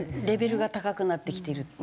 レベルが高くなってきている。